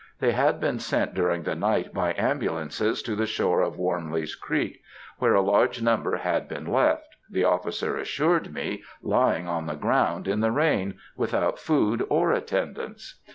They had been sent during the night by ambulances to the shore of Wormley's Creek, where a large number had been left, the officer assured me, lying on the ground in the rain, without food or attendance.